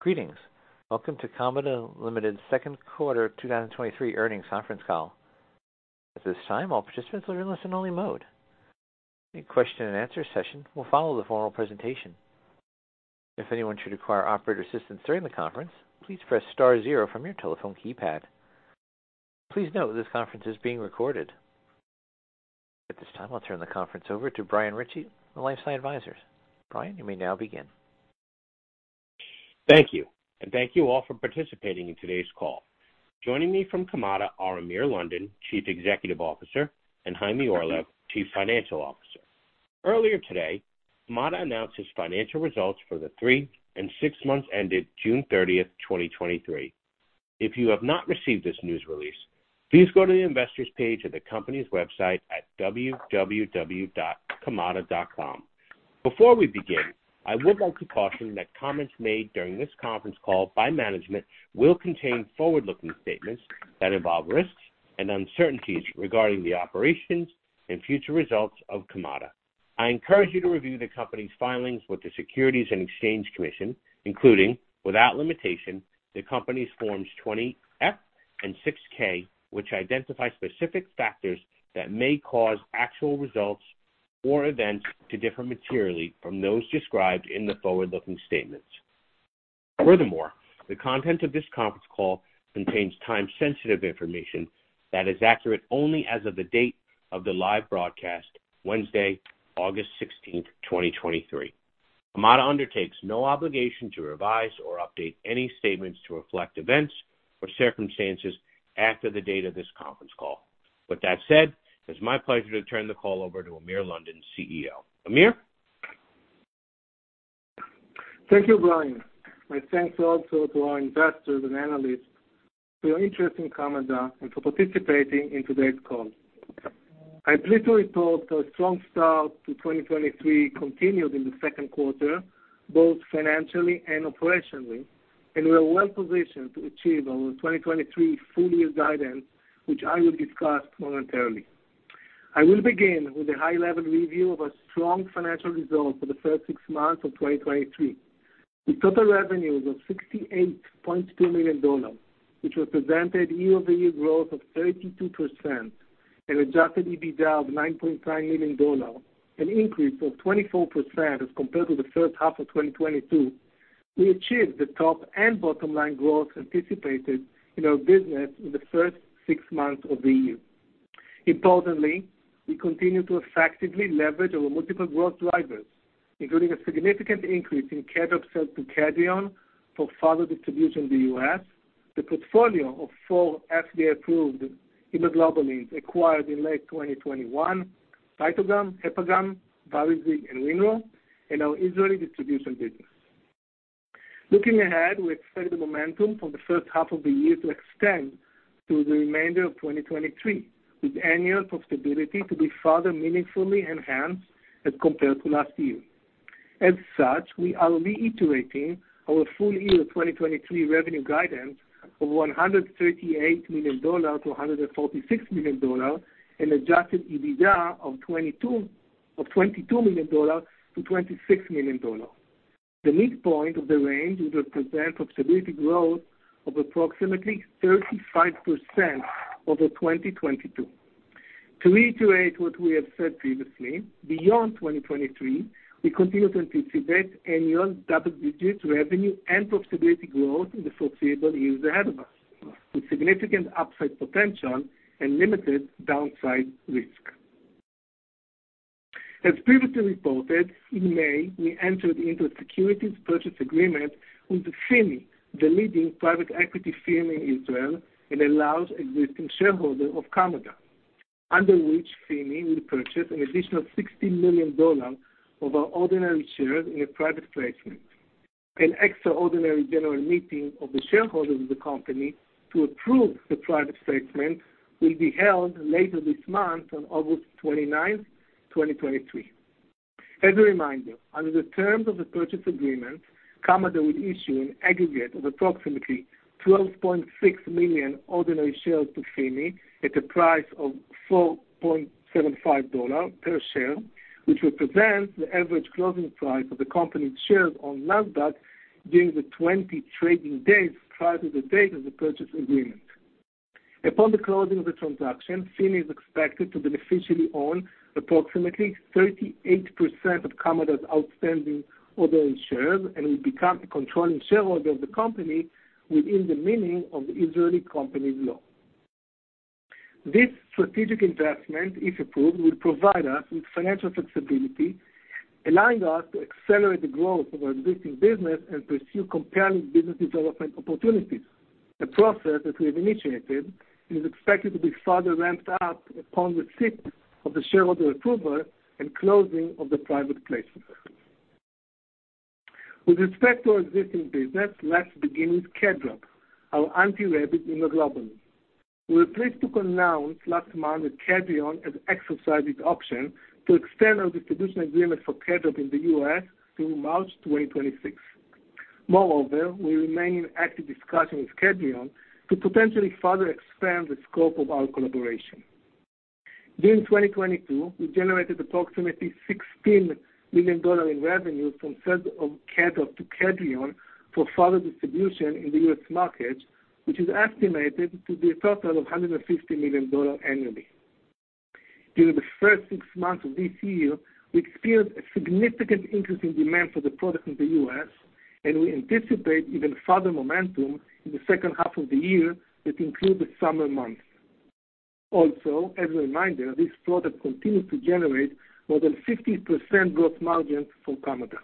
Greetings. Welcome to Kamada Ltd.'s second quarter 2023 earnings conference call. At this time, all participants are in listen-only mode. A question and answer session will follow the formal presentation. If anyone should require operator assistance during the conference, please press star 0 from your telephone keypad. Please note this conference is being recorded. At this time, I'll turn the conference over to Brian Ritchie, of LifeSci Advisors. Brian, you may now begin. Thank you. Thank you all for participating in today's call. Joining me from Kamada are Amir London, Chief Executive Officer, and Chaime Orlev, Chief Financial Officer. Earlier today, Kamada announced its financial results for the three and six months ended June 30th, 2023. If you have not received this news release, please go to the investors page at the company's website at www.kamada.com. Before we begin, I would like to caution that comments made during this conference call by management will contain forward-looking statements that involve risks and uncertainties regarding the operations and future results of Kamada. I encourage you to review the company's filings with the Securities and Exchange Commission, including, without limitation, the company's Forms 20-F and Form 6-K, which identify specific factors that may cause actual results or events to differ materially from those described in the forward-looking statements. Furthermore, the content of this conference call contains time-sensitive information that is accurate only as of the date of the live broadcast, Wednesday, August 16, 2023. Kamada undertakes no obligation to revise or update any statements to reflect events or circumstances after the date of this conference call. With that said, it's my pleasure to turn the call over to Amir London, CEO. Amir? Thank you, Brian. My thanks also to our investors and analysts for your interest in Kamada and for participating in today's call. I'm pleased to report our strong start to 2023 continued in the second quarter, both financially and operationally. We are well positioned to achieve our 2023 full year guidance, which I will discuss momentarily. I will begin with a high-level review of our strong financial results for the first six months of 2023. The total revenues of $68.2 million, which represented year-over-year growth of 32%, and Adjusted EBITDA of $9.5 million, an increase of 24% as compared to the first half of 2022. We achieved the top and bottom line growth anticipated in our business in the first six months of the year. Importantly, we continued to effectively leverage our multiple growth drivers, including a significant increase in KEDRAB sales to Kedrion for further distribution in the US, the portfolio of four FDA-approved immunoglobulins acquired in late 2021, CYTOGAM, HepaGam, VARIZIG, and WINRHO SDF, and our Israeli distribution business. Looking ahead, we expect the momentum from the first half of the year to extend through the remainder of 2023, with annual profitability to be further meaningfully enhanced as compared to last year. As such, we are reiterating our full-year 2023 revenue guidance of $138 million-$146 million, and Adjusted EBITDA of $22 million-$26 million. The midpoint of the range would represent substantial growth of approximately 35% over 2022. To reiterate what we have said previously, beyond 2023, we continue to anticipate annual double-digit revenue and profitability growth in the foreseeable years ahead of us, with significant upside potential and limited downside risk. As previously reported, in May, we entered into a securities purchase agreement with the FIMI, the leading private equity firm in Israel and a large existing shareholder of Kamada, under which FIMI will purchase an additional $60 million of our ordinary shares in a private placement. An extraordinary general meeting of the shareholders of the company to approve the private placement will be held later this month on August 29th, 2023. As a reminder, under the terms of the purchase agreement, Kamada will issue an aggregate of approximately 12.6 million ordinary shares to FIMI at a price of $4.75 per share, which represents the average closing price of the company's shares on Nasdaq during the 20 trading days prior to the date of the purchase agreement. Upon the closing of the transaction, FIMI is expected to beneficially own approximately 38% of Kamada's outstanding ordinary shares and will become a controlling shareholder of the company within the meaning of the Israeli Companies Law. This strategic investment, if approved, will provide us with financial flexibility, allowing us to accelerate the growth of our existing business and pursue compelling business development opportunities. The process that we have initiated is expected to be further ramped up upon receipt of the shareholder approval and closing of the private placement. With respect to our existing business, let's begin with KEDRAB, our anti-rabies immunoglobulin. We were pleased to announce last month that Kedrion has exercised its option to extend our distribution agreement for KEDRAB in the U.S. through March 2026. Moreover, we remain in active discussion with Kedrion to potentially further expand the scope of our collaboration. During 2022, we generated approximately $16 million in revenue from sales of KEDRAB to Kedrion for further distribution in the U.S. market, which is estimated to be a total of $150 million annually. During the first six months of this year, we experienced a significant increase in demand for the product in the U.S., and we anticipate even further momentum in the second half of the year, that include the summer months. As a reminder, this product continues to generate more than 50% growth margins for Kamada.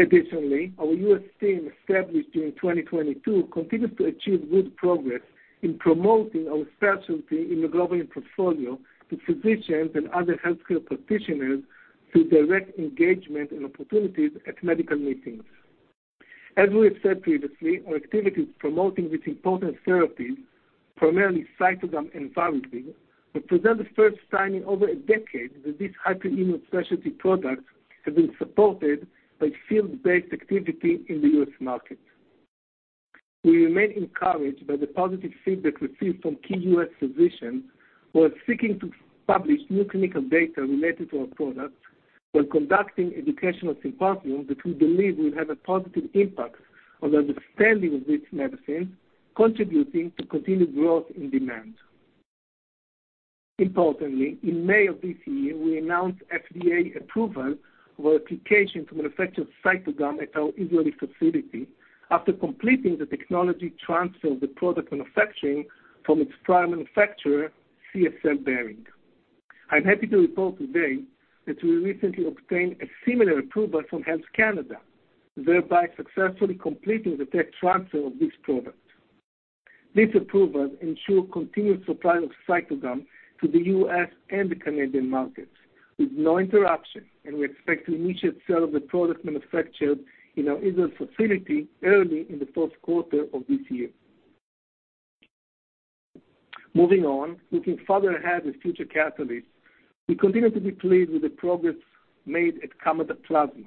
Additionally, our U.S. team, established during 2022, continues to achieve good progress in promoting our specialty immunoglobulin portfolio to physicians and other healthcare practitioners through direct engagement and opportunities at medical meetings. As we have said previously, our activities promoting this important therapy, primarily CYTOGAM and VARIZIG, represent the first time in over a decade that this hyperimmune specialty product has been supported by field-based activity in the US market. We remain encouraged by the positive feedback received from key US physicians who are seeking to publish new clinical data related to our products, while conducting educational symposiums that we believe will have a positive impact on the understanding of this medicine, contributing to continued growth in demand. Importantly, in May of this year, we announced FDA approval for application to manufacture CYTOGAM at our Israeli facility after completing the technology transfer of the product manufacturing from its prime manufacturer, CSL Behring. I'm happy to report today that we recently obtained a similar approval from Health Canada, thereby successfully completing the tech transfer of this product. This approval ensure continued supply of CYTOGAM to the US and the Canadian markets with no interruption, and we expect to initiate sale of the product manufactured in our Israel facility early in the first quarter of this year. Moving on, looking further ahead with future catalysts, we continue to be pleased with the progress made at Kamada Plasma,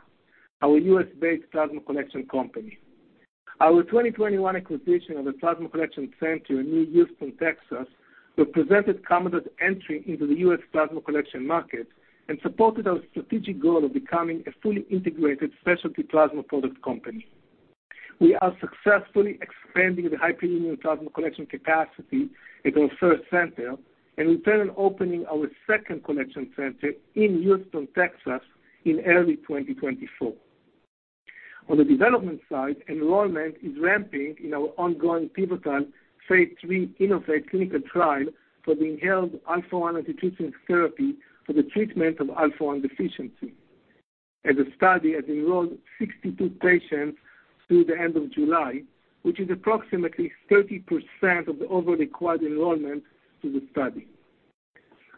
our US-based plasma collection company. Our 2021 acquisition of a plasma collection center in Houston, Texas, represented Kamada's entry into the U.S. plasma collection market and supported our strategic goal of becoming a fully integrated specialty plasma product company. We are successfully expanding the hyperimmune plasma collection capacity at our first center and we plan on opening our second collection center in Houston, Texas, in early 2024. On the development side, enrollment is ramping in our ongoing pivotal phase III InnovAATe clinical trial for the inhaled Alpha-1 antitrypsin therapy for the treatment of Alpha-1 deficiency. As the study has enrolled 62 patients through the end of July, which is approximately 30% of the over required enrollment to the study.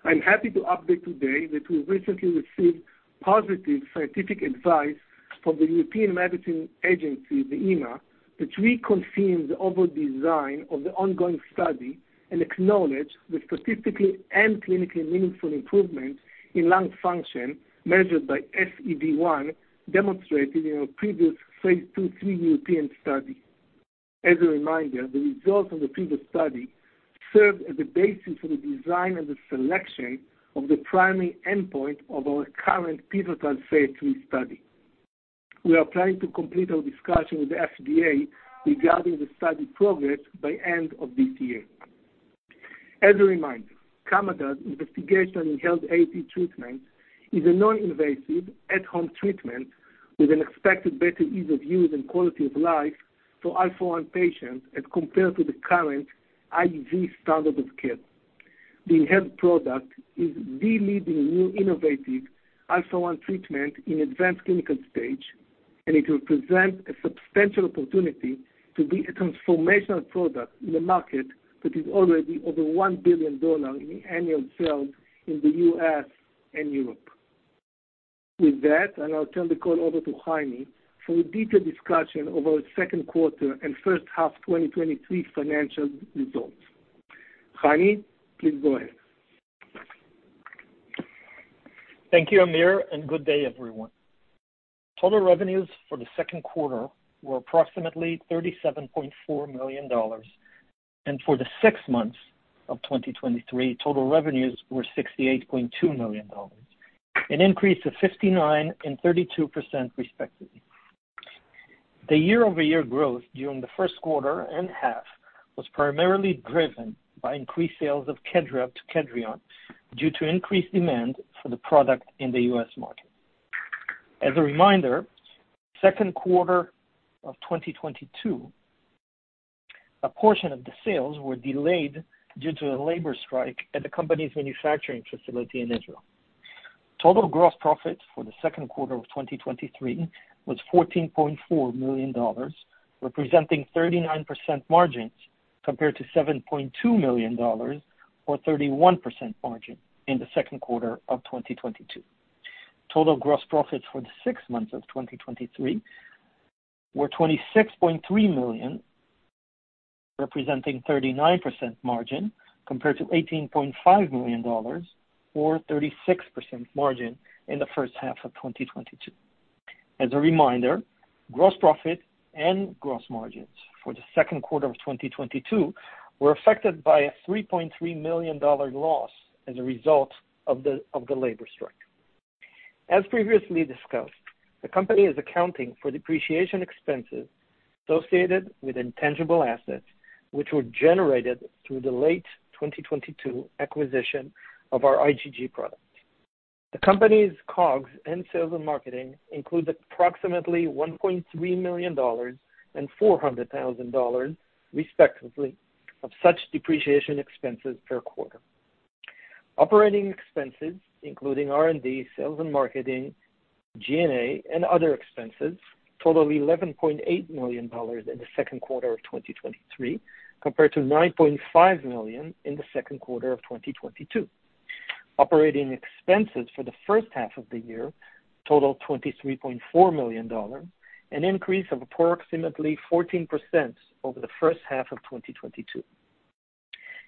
I'm happy to update today that we've recently received positive scientific advice from the European Medicines Agency, the EMA, which reconfirms the overall design of the ongoing study and acknowledge the statistically and clinically meaningful improvement in lung function, measured by FEV1, demonstrated in our previous phase II/III European study. As a reminder, the results of the previous study served as a basis for the design and the selection of the primary endpoint of our current pivotal phase III study. We are planning to complete our discussion with the FDA regarding the study progress by end of this year. As a reminder, Kamada's investigation in inhaled AAT treatment is a non-invasive, at-home treatment with an expected better ease of use and quality of life for Alpha-1 patients as compared to the current IV standard of care. The inhaled product is the leading new innovative Alpha-1 treatment in advanced clinical stage. It represents a substantial opportunity to be a transformational product in the market that is already over $1 billion in the annual sales in the U.S. and Europe. With that, I'll now turn the call over to Chaime for a detailed discussion of our second quarter and first half 2023 financial results. Chaime, please go ahead. Thank you, Amir. Good day, everyone. Total revenues for the second quarter were approximately $37.4 million, and for the six months of 2023, total revenues were $68.2 million, an increase of 59% and 32% respectively. The year-over-year growth during the first quarter and half was primarily driven by increased sales of KEDRAB to Kedrion, due to increased demand for the product in the US market. As a reminder, second quarter of 2022, a portion of the sales were delayed due to a labor strike at the company's manufacturing facility in Israel. Total gross profits for the second quarter of 2023 was $14.4 million, representing 39% margins, compared to $7.2 million, or 31% margin in the second quarter of 2022. Total gross profits for the six months of 2023 were $26.3 million, representing 39% margin, compared to $18.5 million, or 36% margin in the first half of 2022. As a reminder, gross profit and gross margins for the second quarter of 2022 were affected by a $3.3 million loss as a result of the labor strike. As previously discussed, the company is accounting for depreciation expenses associated with intangible assets, which were generated through the late 2022 acquisition of our IgG product. The company's COGS and sales and marketing include approximately $1.3 million and $400,000, respectively, of such depreciation expenses per quarter. Operating expenses, including R&D, sales and marketing, G&A, and other expenses, total $11.8 million in the second quarter of 2023, compared to $9.5 million in the second quarter of 2022. Operating expenses for the first half of the year total $23.4 million, an increase of approximately 14% over the first half of 2022.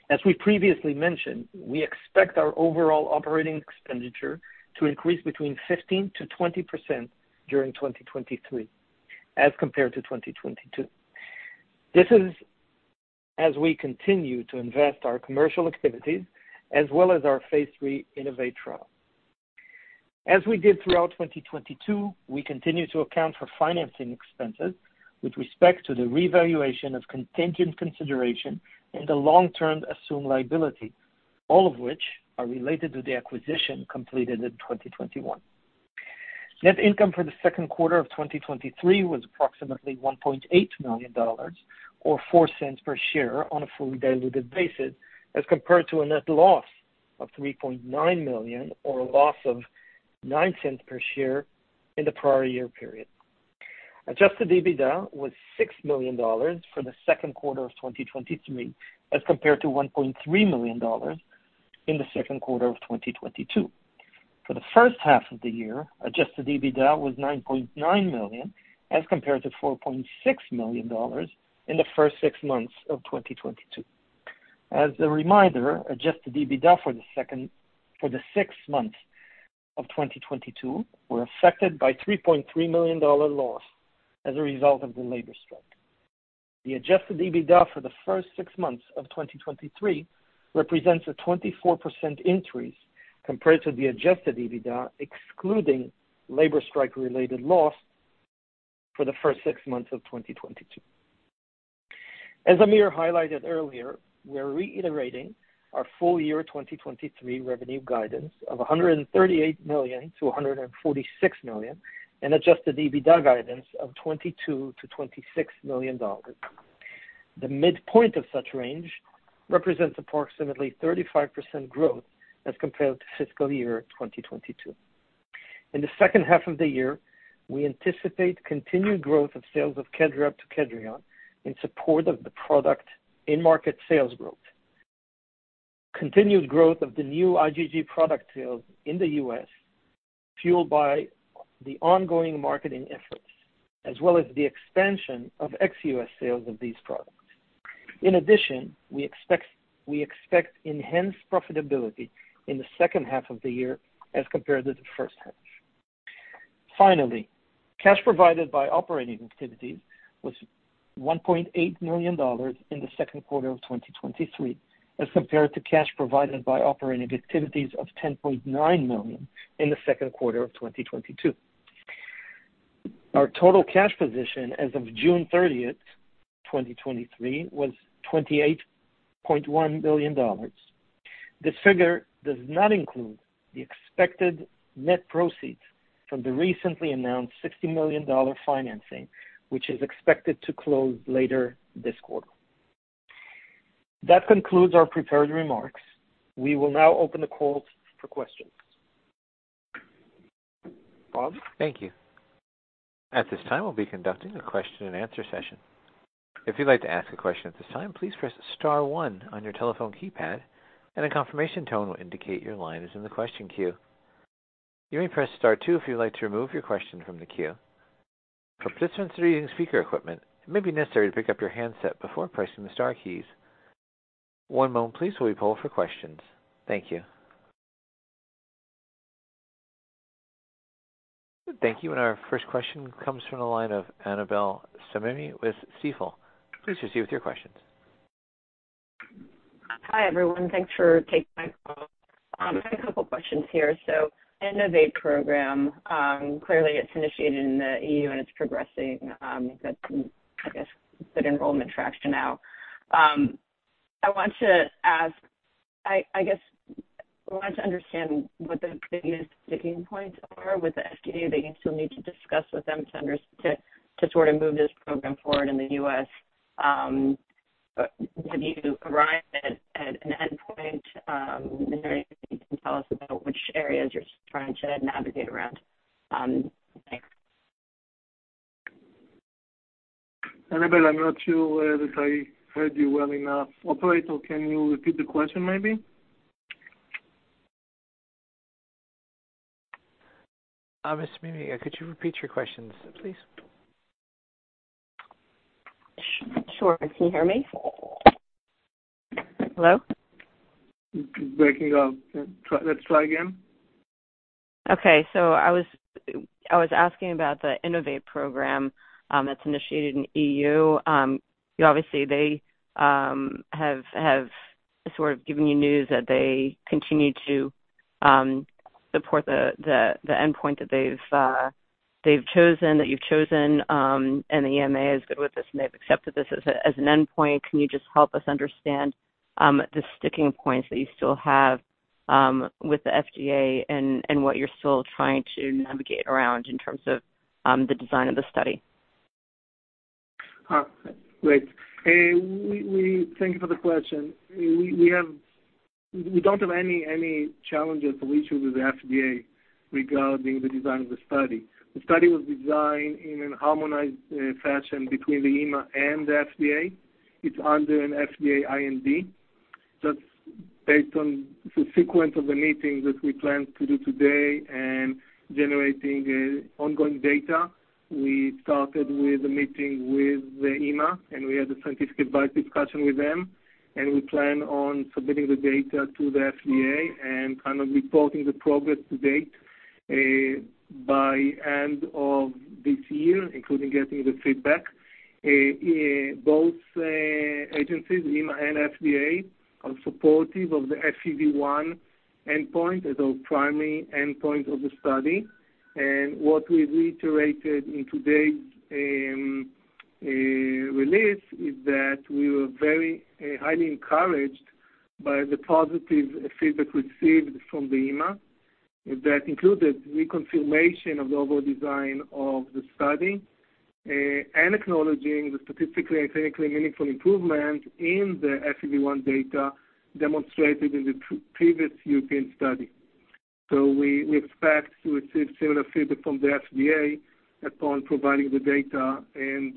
As we previously mentioned, we expect our overall operating expenditure to increase between 15%-20% during 2023 as compared to 2022. This is as we continue to invest our commercial activities as well as our phase III InnovAATe trial. As we did throughout 2022, we continue to account for financing expenses with respect to the revaluation of contingent consideration and the long-term assumed liability, all of which are related to the acquisition completed in 2021. Net income for the second quarter of 2023 was approximately $1.8 million, or $0.04 per share on a fully diluted basis, as compared to a net loss of $3.9 million, or a loss of $0.09 per share in the prior year period. Adjusted EBITDA was $6 million for the second quarter of 2023, as compared to $1.3 million in the second quarter of 2022. For the first half of the year, Adjusted EBITDA was $9.9 million as compared to $4.6 million in the first six months of 2022. As a reminder, Adjusted EBITDA for the six months of 2022 were affected by $3.3 million loss as a result of the labor strike. The Adjusted EBITDA for the first six months of 2023 represents a 24% increase compared to the Adjusted EBITDA, excluding labor strike-related loss for the first six months of 2022. As Amir highlighted earlier, we are reiterating our full year 2023 revenue guidance of $138 million-$146 million, and Adjusted EBITDA guidance of $22 million-$26 million. The midpoint of such range represents approximately 35% growth as compared to fiscal year 2022. In the second half of the year, we anticipate continued growth of sales of KEDRAB to Kedrion in support of the product in-market sales growth. Continued growth of the new IgG product sales in the U.S., fueled by the ongoing marketing efforts, as well as the expansion of ex-US sales of these products. In addition, we expect enhanced profitability in the second half of the year as compared to the first half. Finally, cash provided by operating activities was $1.8 million in the second quarter of 2023, as compared to cash provided by operating activities of $10.9 million in the second quarter of 2022. Our total cash position as of June 30th, 2023, was $28.1 million. This figure does not include the expected net proceeds from the recently announced $60 million financing, which is expected to close later this quarter. That concludes our prepared remarks. We will now open the call for questions. Bob? Thank you. At this time, we'll be conducting a question and answer session. If you'd like to ask a question at this time, please press star one on your telephone keypad, and a confirmation tone will indicate your line is in the question queue. You may press star two if you'd like to remove your question from the queue. For participants who are using speaker equipment, it may be necessary to pick up your handset before pressing the star keys. One moment please, while we poll for questions. Thank you. Thank you, our first question comes from the line of Annabel Samimy with Stifel. Please proceed with your questions. Hi, everyone. Thanks for taking my call. I have a couple questions here. InnovAATe program, clearly it's initiated in the EU and it's progressing, that's, I guess, good enrollment traction now. I want to ask, I, I guess I want to understand what the biggest sticking points are with the FDA that you still need to discuss with them to, to sort of move this program forward in the U.S. Have you arrived at, at an endpoint, and you can tell us about which areas you're trying to navigate around? Thanks. Annabelle, I'm not sure, that I heard you well enough. Operator, can you repeat the question, maybe? Miss Samimy, could you repeat your questions, please? Sure. Can you hear me? Hello? Breaking up. Try, let's try again. Okay, so I was, I was asking about the InnovAATe program that's initiated in EU. Obviously, they have, have sort of given you news that they continue to support the, the, the endpoint that they've, they've chosen, that you've chosen, and the EMA is good with this, and they've accepted this as, as an endpoint. Can you just help us understand the sticking points that you still have with the FDA and, and what you're still trying to navigate around in terms of the design of the study? Great. Thank you for the question. We don't have any challenges or issues with the FDA regarding the design of the study. The study was designed in a harmonized fashion between the EMA and the FDA. It's under an FDA IND. That's based on the sequence of the meetings that we plan to do today and generating ongoing data. We started with a meeting with the EMA, and we had a scientific advice discussion with them, and we plan on submitting the data to the FDA and kind of reporting the progress to date by end of this year, including getting the feedback. Both agencies, EMA and FDA, are supportive of the FEV1 endpoint as our primary endpoint of the study. What we reiterated in today's release is that we were very highly encouraged by the positive feedback received from the EMA. That included reconfirmation of the overall design of the study and acknowledging the statistically and clinically meaningful improvement in the FEV1 data demonstrated in the previous European study. We expect to receive similar feedback from the FDA upon providing the data and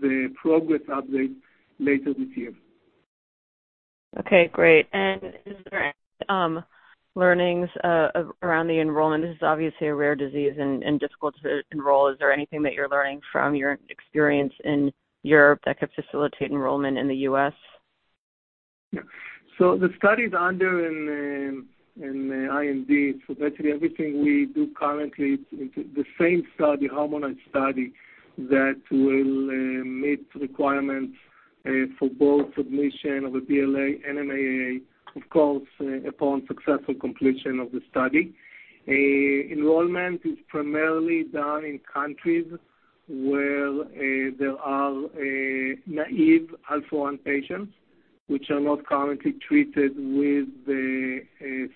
the progress update later this year. Okay, great. Learnings, around the enrollment, this is obviously a rare disease and, and difficult to enroll. Is there anything that you're learning from your experience in Europe that could facilitate enrollment in the U.S.? Yeah. Basically, everything we do currently, it's the same study, harmonized study, that will meet requirements for both submission of a BLA and MAA, of course, upon successful completion of the study. Enrollment is primarily done in countries where there are naive Alpha-1 patients, which are not currently treated with the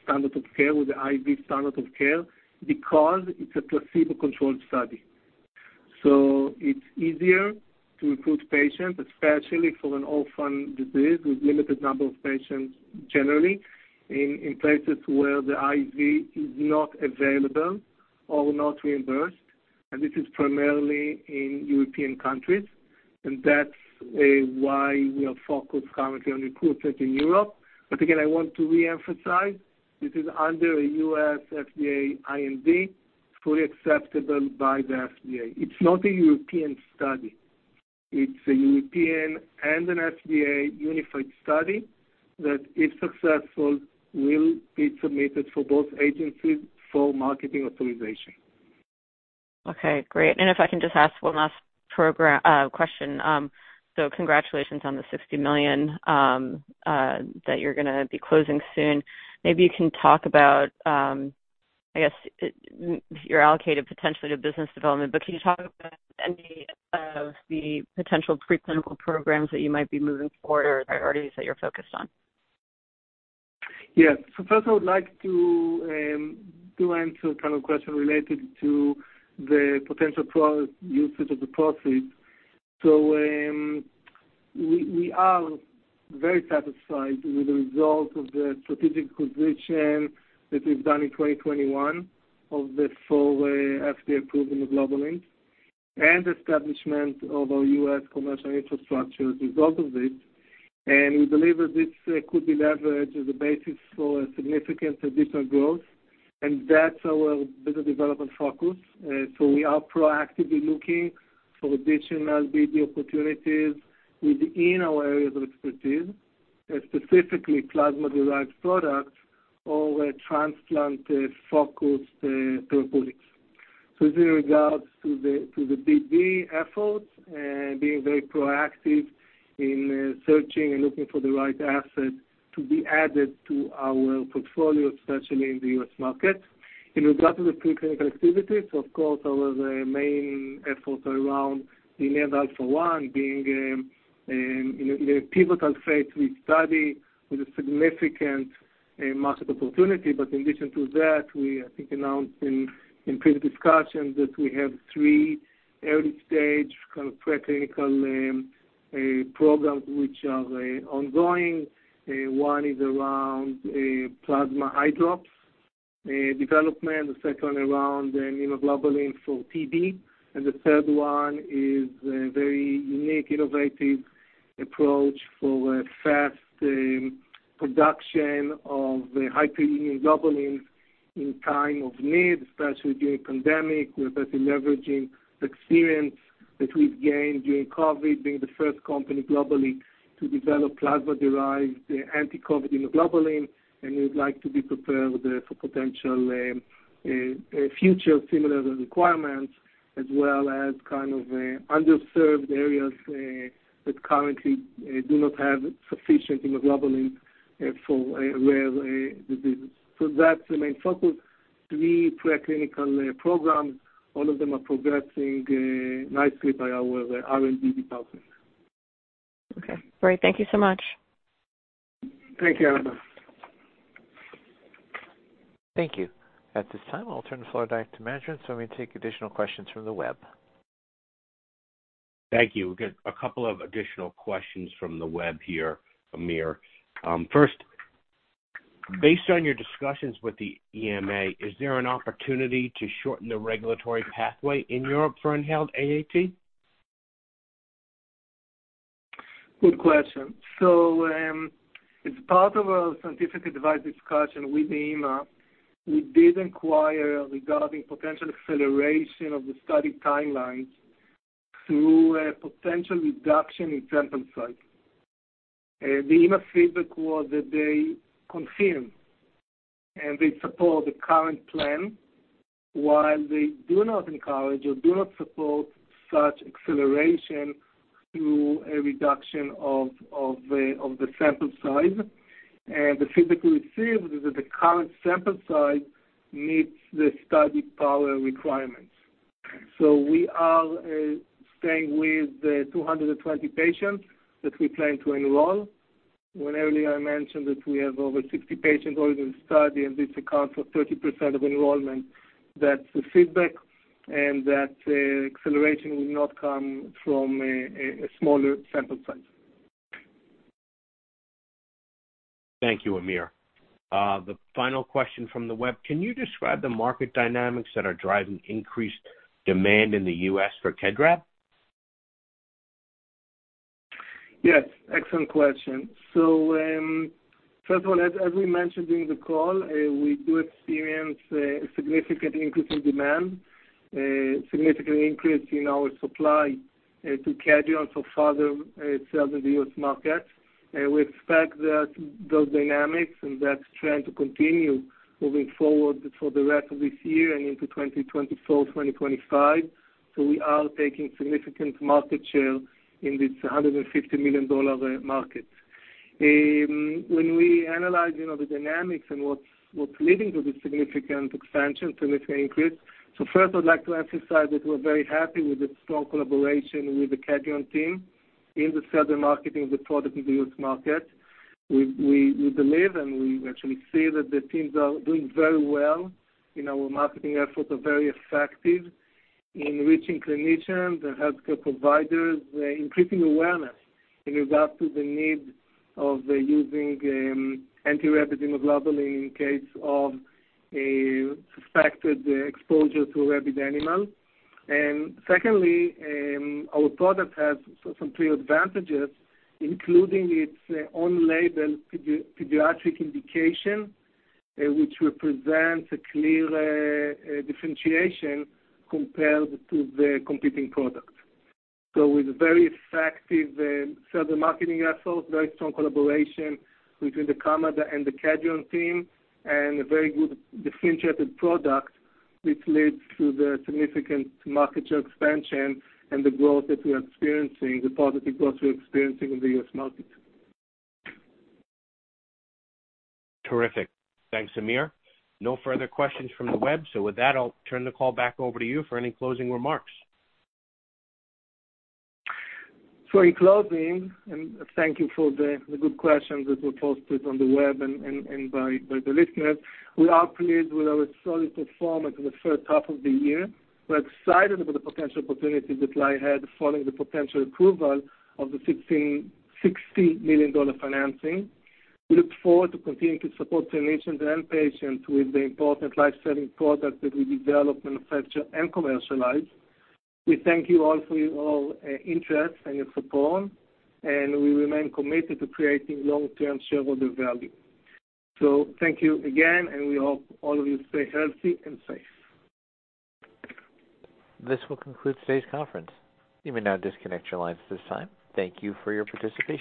standard of care, with the IV standard of care, because it's a placebo-controlled study. It's easier to recruit patients, especially for an orphan disease with limited number of patients, generally, in places where the IV is not available or not reimbursed. This is primarily in European countries, and that's why we are focused currently on recruitment in Europe. Again, I want to reemphasize, this is under a US FDA IND, fully acceptable by the FDA. It's not a European study. It's a European and an FDA unified study that, if successful, will be submitted for both agencies for marketing authorization. Okay, great. If I can just ask one last program question. Congratulations on the $60 million that you're gonna be closing soon. Maybe you can talk about, I guess, your allocated potentially to business development, but can you talk about any of the potential preclinical programs that you might be moving forward or priorities that you're focused on? Yes. First, I would like to answer a kind of question related to the potential usage of the proceeds. We, we are very satisfied with the result of the strategic position that we've done in 2021 of the full FDA approval of globulin and establishment of our US commercial infrastructure as a result of this. We believe that this could be leveraged as a basis for significant additional growth, and that's our business development focus. We are proactively looking for additional BD opportunities within our areas of expertise, specifically plasma-derived products or transplant focused therapeutics. With regards to the, to the BD efforts and being very proactive in searching and looking for the right asset to be added to our portfolio, especially in the US market. In regards to the preclinical activities, of course, our, the main efforts are around immune Alpha-1, being in a pivotal phase III study with a significant market opportunity. In addition to that, we, I think, announced in pre discussions that we have three early-stage, kind of, preclinical programs, which are ongoing. One is around plasma eye drops development. The second around the [immunoglobulins for PD], and the third one is a very unique, innovative approach for a fast production of the hyperimmune immunoglobulin in time of need, especially during pandemic. We're better leveraging experience that we've gained during COVID, being the first company globally to develop plasma-derived anti-COVID immunoglobulin. We'd like to be prepared for potential future similar requirements, as well as kind of underserved areas that currently do not have sufficient immunoglobulin for a rare disease. That's the main focus. Three preclinical programs. All of them are progressing nicely by our R&D department. Okay, great. Thank you so much. Thank you, Anna. Thank you. At this time, I'll turn the floor back to management, so we may take additional questions from the web. Thank you. We've got a couple of additional questions from the web here, Amir. First, based on your discussions with the EMA, is there an opportunity to shorten the regulatory pathway in Europe for inhaled AAT? Good question. As part of a scientific advice discussion with the EMA, we did inquire regarding potential acceleration of the study timelines through a potential reduction in sample size. The EMA feedback was that they confirm, and they support the current plan, while they do not encourage or do not support such acceleration through a reduction of the sample size. The feedback we received is that the current sample size meets the study power requirements. We are staying with the 220 patients that we plan to enroll. When earlier I mentioned that we have over 60 patients already in study, and this accounts for 30% of enrollment. That's the feedback, and that acceleration will not come from a smaller sample size. Thank you, Amir. The final question from the web: Can you describe the market dynamics that are driving increased demand in the US for KEDRAB? Yes, excellent question. First one, as, as we mentioned during the call, we do experience a significant increase in demand, a significant increase in our supply to Kedrion for further sales in the US market. We expect that those dynamics and that trend to continue moving forward for the rest of this year and into 2024, 2025. We are taking significant market share in this $150 million market. When we analyze, you know, the dynamics and what's, what's leading to this significant expansion, significant increase. First, I'd like to emphasize that we're very happy with the strong collaboration with the Kedrion team in the further marketing of the product in the US market. We, we, we believe, and we actually see that the teams are doing very well. You know, our marketing efforts are very effective in reaching clinicians and healthcare providers, increasing awareness in regard to the need of using anti-rabies immunoglobulin in case of a suspected exposure to a rabid animal. Secondly, our product has some clear advantages, including its own label pediatric indication, which represents a clear differentiation compared to the competing products. With very effective further marketing efforts, very strong collaboration between the Kamada and the Kedrion team, and a very good differentiated product, which leads to the significant market share expansion and the growth that we are experiencing, the positive growth we're experiencing in the US market. Terrific. Thanks, Amir. No further questions from the web. With that, I'll turn the call back over to you for any closing remarks. In closing, thank you for the good questions that were posted on the web and by the listeners. We are pleased with our solid performance in the first half of the year. We're excited about the potential opportunities that lie ahead following the potential approval of the $60 million financing. We look forward to continuing to support clinicians and patients with the important life-saving products that we develop, manufacture, and commercialize. We thank you all for your interest and your support, and we remain committed to creating long-term shareholder value. Thank you again, and we hope all of you stay healthy and safe. This will conclude today's conference. You may now disconnect your lines at this time. Thank you for your participation.